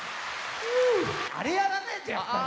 あれやらねえとやっぱり。